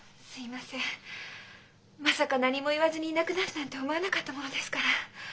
まさか何も言わずにいなくなるなんて思わなかったものですから。